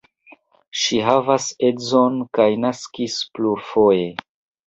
Ŝi havas edzon kaj naskis plurfoje.